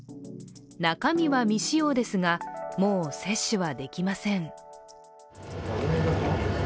中身は未使用ですが、もう接種はできません。